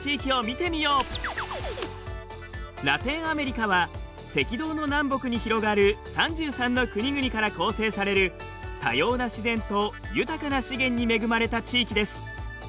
ラテンアメリカは赤道の南北に広がる３３の国々から構成される多様な自然と豊かな資源に恵まれた地域です。